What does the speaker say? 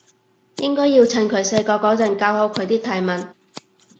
應該要趁佢細個嗰陣教好佢啲泰文